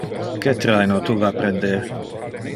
Que traino tu va a prender?